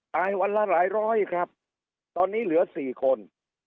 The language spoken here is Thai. วันละหลายร้อยครับตอนนี้เหลือ๔คน